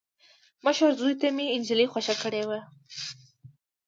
مشر زوي ته مې انجلۍ خوښه کړې وه.